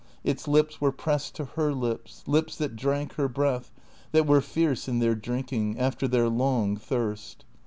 Its lips were pressed to her lips, lips that drank her breath, that were fierce in their drinking, after their long thirst.